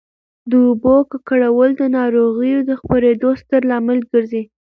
د اوبو ککړول د ناروغیو د خپرېدو ستر لامل ګرځي.